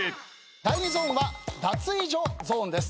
第２ゾーンは脱衣所ゾーンです。